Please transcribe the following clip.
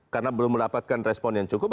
karena belum mendapatkan respon yang cukup